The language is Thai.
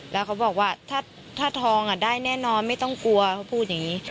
แล้วเขาบอกว่าถ้าทองได้แน่นอนไม่ต้องกลัวเขาพูดอย่างนี้